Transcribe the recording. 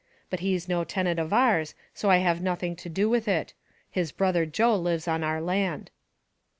But he's no tenant of ours, so I have nothing to do with it; his brother Joe lives on our land."